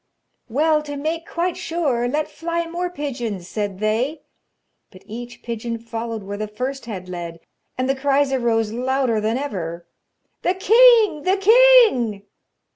'Well, to make quite sure, let fly more pigeons,' said they, but each pigeon followed where the first had led, and the cries arose louder than ever: 'The king! the king!'